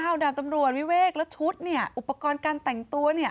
เอาดาบตำรวจวิเวกแล้วชุดเนี่ยอุปกรณ์การแต่งตัวเนี่ย